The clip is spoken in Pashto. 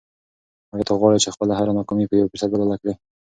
آیا ته غواړې چې خپله هره ناکامي په یو فرصت بدله کړې؟